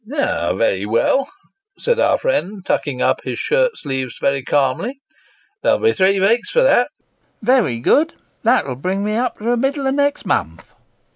" Very well," said our friend, tucking up his shirt sleeves very calmly. " There'll be three veeks for that. Wery good ; that'll bring me up to the middle o' next month.